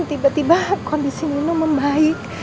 tiba tiba kondisi minum membaik